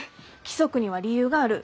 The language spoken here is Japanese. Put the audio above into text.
規則には理由がある。